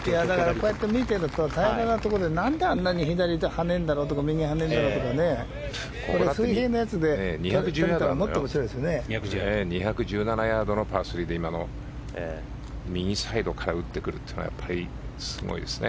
こうやって見てると平らなところで何であんなに左に跳ねるんだろうとか２１７ヤードのパー３で今の右サイドから打ってくるというのはやっぱりすごいですね。